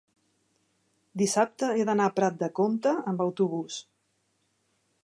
dissabte he d'anar a Prat de Comte amb autobús.